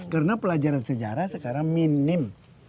karena pelajaran sejarah sekarang minim